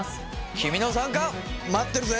君の参加待ってるぜ！